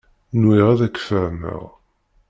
Nwiɣ ad k-fehmeɣ.